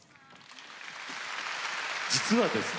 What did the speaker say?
実はですね